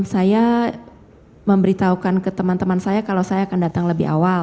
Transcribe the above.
saya memberitahukan ke teman teman saya kalau saya akan datang lebih awal